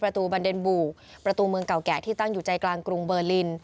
ประตูบันเดนบู่ประตูเมืองเก่าแก่ที่ตั้งอยู่ใจกลางกรุงเบอร์ลิน